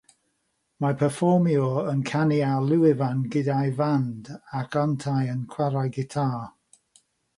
Mae perfformiwr yn canu ar lwyfan gyda'i fand, ac yntau'n chwarae gitâr.